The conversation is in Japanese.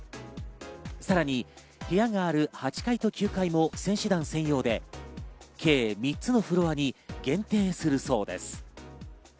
さらに部屋がある８階と９階を選手団専用で計３つのフロアに限定するそうです。